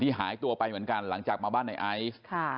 หายตัวไปเหมือนกันหลังจากมาบ้านในไอซ์